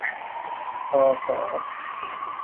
ซอ สอ